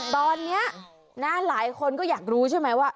ตอนนี้หลายคนก็อยากรู้ใช่ไหมว่า